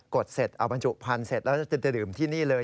ดเสร็จเอาบรรจุพันธุ์เสร็จแล้วจะดื่มที่นี่เลย